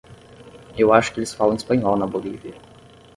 Eu acho que eles falam espanhol na Bolívia.